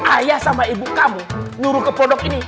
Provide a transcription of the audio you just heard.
ayah sama ibu kamu nyuruh ke pondok ini